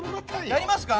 やりますか？